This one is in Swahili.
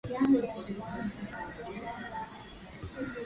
Shirika hilo lilipokea msaada wa serikali